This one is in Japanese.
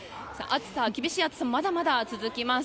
厳しい暑さはまだまだ続きます。